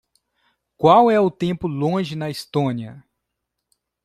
Qual é o tempo longe na Estónia?